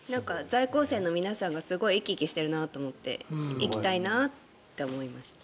在校生の皆さんがすごい生き生きしているなと思って行きたいなって思いました。